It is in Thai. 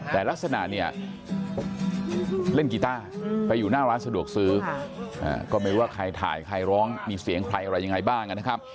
แต่ลักษณะเนี่ยเล่นกีต้าไปอยู่หน้าร้านสะดวกซื้อก็ไม่รู้ว่าใครถ่ายใครร้องมีเสียงใครอะไรยังไงบ้างนะครับ